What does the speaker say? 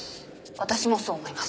私もそう思います。